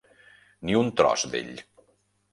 Ni un tros d'ell.